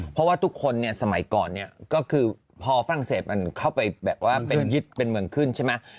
เพราะว่าทุกคนเนี่ยสมัยก่อนเนี่ยก็คือพอฝรั่งเศสมันเข้าไปแบบว่าเป็นยึดเป็นเมืองขึ้นใช่ไหม